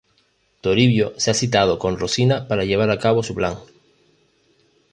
Toribio se ha citado con Rosina para llevar a cabo su plan.